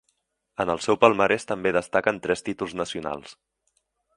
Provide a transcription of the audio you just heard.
En el seu palmarès també destaquen tres títols nacionals.